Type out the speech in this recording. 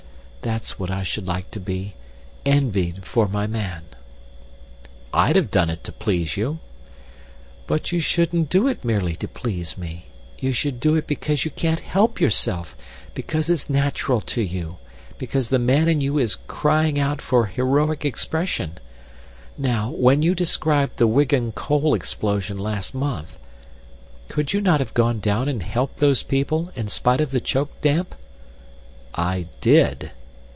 That's what I should like to be, envied for my man." "I'd have done it to please you." "But you shouldn't do it merely to please me. You should do it because you can't help yourself, because it's natural to you, because the man in you is crying out for heroic expression. Now, when you described the Wigan coal explosion last month, could you not have gone down and helped those people, in spite of the choke damp?" "I did."